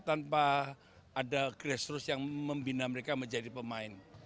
tanpa ada grassroots yang membina mereka menjadi pemain